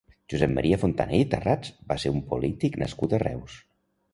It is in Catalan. Josep Maria Fontana i Tarrats va ser un polític nascut a Reus.